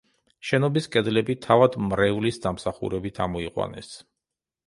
შენობის კედლები თავად მრევლის დამსახურებით ამოიყვანეს.